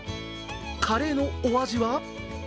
カレーのお味は？